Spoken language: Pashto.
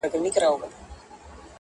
o لاس دي تور، مخ دي په تور!